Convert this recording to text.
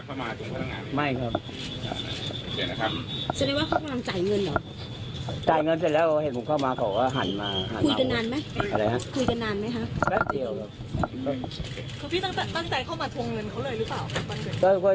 เขาพี่ตั้งแต่ตั้งใจเข้ามาทวงเงินเขาเลยหรือเปล่าเบนกฤต